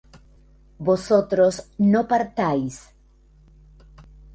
vosotros no partáis